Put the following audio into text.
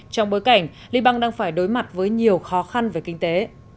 trong bối cảnh liban đang phải đối mặt với nhiều khó khăn về kinh tế